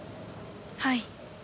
はい。